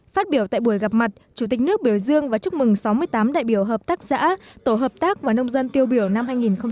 phát biểu tại buổi gặp mặt chủ tịch nước biểu dương và chúc mừng sáu mươi tám đại biểu hợp tác xã tổ hợp tác và nông dân tiêu biểu năm hai nghìn một mươi chín